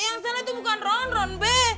yang sana tuh bukan ronron be